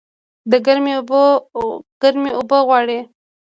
ګرمي اوبه غواړي